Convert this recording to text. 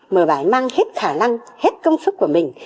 mà bà ấy mang hết khả năng hết công sức của mình